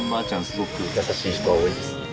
すごく優しい人が多いです。